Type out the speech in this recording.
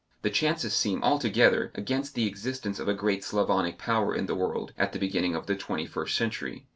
The chances seem altogether against the existence of a great Slavonic power in the world at the beginning of the twenty first century.